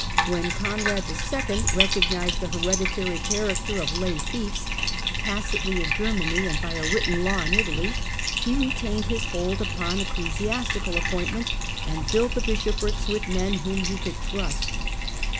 When Conrad II. recognized the hereditary character of lay fiefs, tacitly in Germany, and by a written law in Italy, he retained his hold upon ecclesiastical appointments, and filled the bishoprics with men whom he could trust.